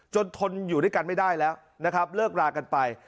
ทนอยู่ด้วยกันไม่ได้แล้วนะครับเลิกรากันไป